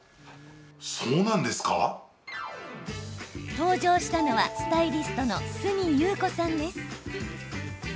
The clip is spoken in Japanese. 登場したのはスタイリストの角佑宇子さんです。